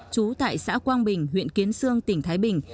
trú tại xã quang bình huyện kiến sương tỉnh thái bình